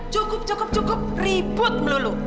cukup cukup cukup ribut melulu